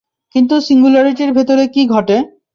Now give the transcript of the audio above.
কিন্তু সিঙ্গুলারিটির ভেতরে কী ঘটে?